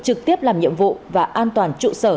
trực tiếp làm nhiệm vụ và an toàn trụ sở